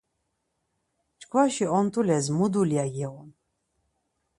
Çkvaşi ont̆ules mu dulya giğun?